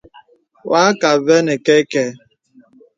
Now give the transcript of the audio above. Wà àkə avɛ nə kɛ̄kɛ.